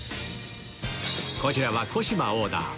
こちらは小芝オーダー